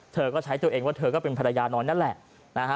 เธอก็ใช้ตัวเองว่าเธอก็เป็นภรรยาน้อยนั่นแหละนะฮะ